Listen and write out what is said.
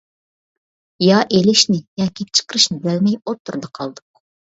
يا ئېلىشنى ياكى چىقىرىشنى بىلەلمەي ئوتتۇرىدا قالدۇق.